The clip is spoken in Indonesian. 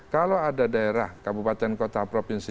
kalau ada daerah kabupaten kota provinsi